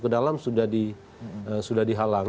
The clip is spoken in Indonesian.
ke dalam sudah dihalangi